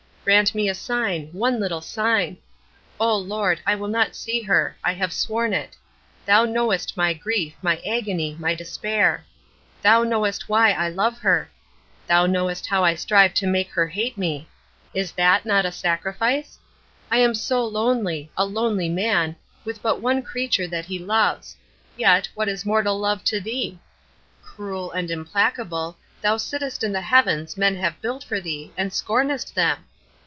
Grant me a sign one little sign, O Lord! I will not see her. I have sworn it. Thou knowest my grief my agony my despair. Thou knowest why I love her. Thou knowest how I strive to make her hate me. Is that not a sacrifice? I am so lonely a lonely man, with but one creature that he loves yet, what is mortal love to Thee? Cruel and implacable, Thou sittest in the heavens men have built for Thee, and scornest them!